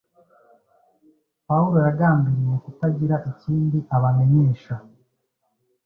Pawulo “yagambiriye kutagira ikindi abamenyesha,